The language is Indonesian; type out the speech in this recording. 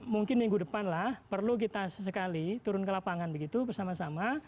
mungkin minggu depan lah perlu kita sesekali turun ke lapangan begitu bersama sama